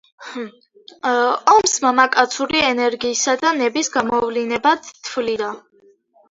ომს მამაკაცური ენერგიისა და ნების გამოვლინებად თვლიდა.